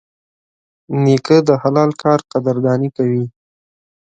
نیکه د حلال کار قدرداني کوي.